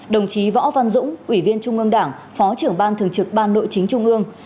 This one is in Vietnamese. đồng chí võ văn dũng ủy viên trung ương đảng phó trưởng ban thường trực ban nội chính trung ương